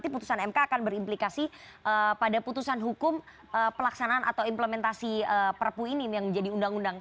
putusan mk akan berimplikasi pada putusan hukum pelaksanaan atau implementasi perpu ini yang menjadi undang undang